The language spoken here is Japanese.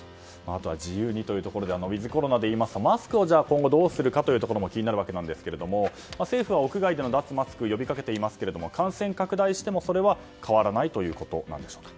あとは自由にということでウィズコロナでいいますとマスクを今後どうするかというところも気になるわけなんですが政府は、屋外での脱マスクを呼び掛けていますが感染拡大してもそれは変わらないということなんでしょうか。